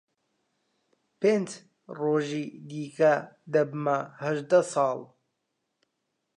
پێنج ڕۆژی دیکە دەبمە هەژدە ساڵ.